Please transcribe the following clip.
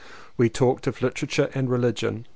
We talked of literature and religion.